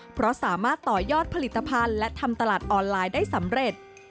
เพราะสามารถต่อยอดผลิตภัณฑ์และทำตลาดออนไลน์ได้สำเร็จ